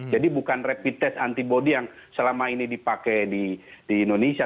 jadi bukan rapid test antibody yang selama ini dipakai di indonesia